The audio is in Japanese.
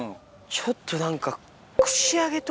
ちょっと何か。